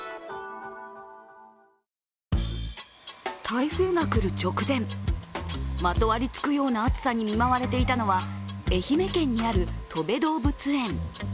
台風が来る直前、まとわりつくような暑さに見舞われていたのは愛媛県にあるとべ動物園。